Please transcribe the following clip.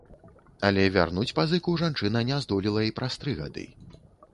Але вярнуць пазыку жанчына не здолела і праз тры гады.